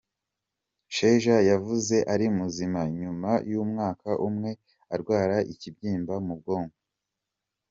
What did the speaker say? Sheja yavuze ari muzima, nyuma y'umwaka umwe arwara ikibyimba mu bwonko.